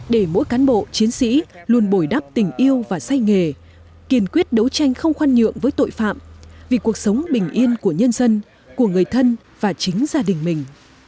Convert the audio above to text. để mỗi cán bộ chiến sĩ luôn bồi đắp tình yêu và say nghề kiên quyết đấu tranh không khoan nhượng với tội phạm vì cuộc sống bình yên của nhân dân của người thân và chính gia đình mình